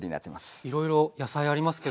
いろいろ野菜ありますけど。